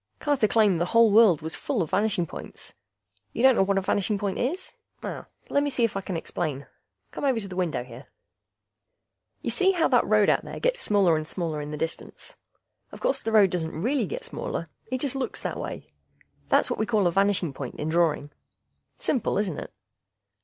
Carter claimed the whole world was full of vanishing points. You don't know what a vanishing point is? Lemme see if I can explain. Come over to the window here. Ya see how that road out there gets smaller and smaller in the distance? Of course the road doesn't really get smaller it just looks that way. That's what we call a vanishing point in drawing. Simple, isn't it?